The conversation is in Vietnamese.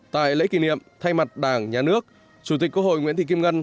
tại lễ kỷ niệm thay mặt đảng nhà nước chủ tịch quốc hội nguyễn thị kim ngân